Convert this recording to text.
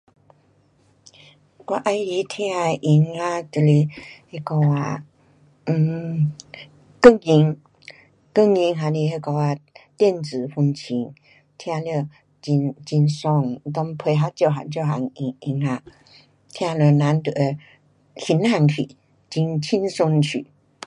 我喜欢听的音乐就是那个啊，um 钢琴，钢琴还是那个啊电子风琴，听了很，很爽，它内人配合各样各样音，音乐，听了人就会 senang 去,很轻松去。